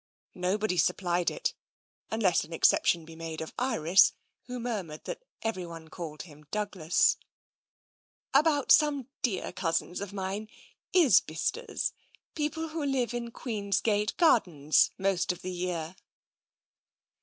Nobody sup plied it, unless an exception be made of Iris, who mur mured that everyone called him Douglas. 84 TENSION " About some dear cousins of mine, Isbisters — people who live in Queen's Gate Gardens most of the year."